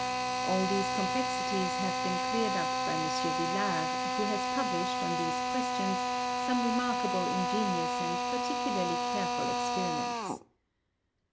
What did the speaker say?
All these complexities have been cleared up by M. Villard, who has published, on these questions, some remarkably ingenious and particularly careful experiments.